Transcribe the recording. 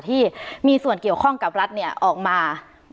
ที่มีส่วนเกี่ยวข้องกับรัฐเนี่ยออกมา